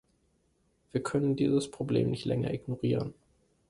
Wir können dieses Problem nicht länger ignorieren.